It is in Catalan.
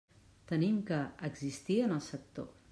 Tenim que «existir en el sector».